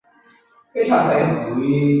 指定派遣球员异动上的专有名词。